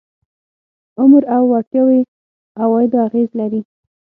عمر او وړتیاوې عوایدو اغېز لري.